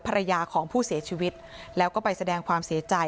ภรรยาของผู้เสียชีวิตแล้วก็ไปแสดงความเสียใจ